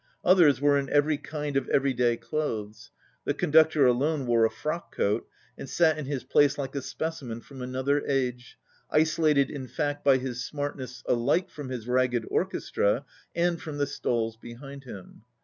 Others were in every kind of everyday clothes. The conductor alone wore a frock coat, and sat in his place like a specimen from another age, isolated in fact by his smartness alike from his ragged orchestra and from the stalls behind him.